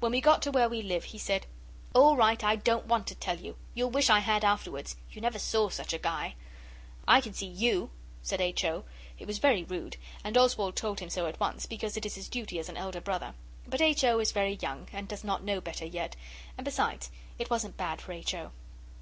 When we got to where we live he said, 'All right, I don't want to tell you. You'll wish I had afterwards. You never saw such a guy.' 'I can see you!' said H. O. It was very rude, and Oswald told him so at once, because it is his duty as an elder brother. But H. O. is very young and does not know better yet, and besides it wasn't bad for H. O.